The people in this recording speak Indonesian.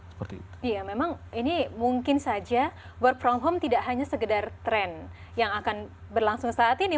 iya memang ini mungkin saja work from home tidak hanya segedar tren yang akan berlangsung saat ini